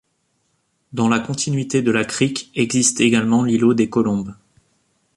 Dans la continuité de la crique existe également l'îlot des Colombes.